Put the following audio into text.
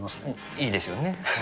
いいですよね。